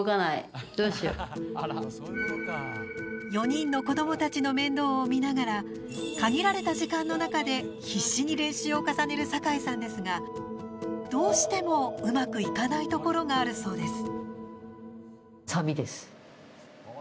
４人の子どもたちの面倒を見ながら限られた時間の中で、必死に練習を重ねる酒井さんですがどうしてもうまくいかないところがあるそうです。